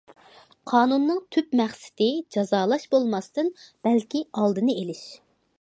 قانۇننىڭ تۈپ مەقسىتى جازالاش بولماستىن بەلكى ئالدىنى ئېلىش.